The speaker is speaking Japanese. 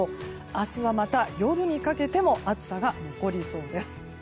明日はまた夜にかけても暑さが残りそうです。